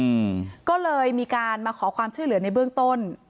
อืมก็เลยมีการมาขอความช่วยเหลือในเบื้องต้น